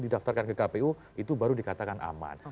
di daftarkan ke kpu itu baru dikatakan aman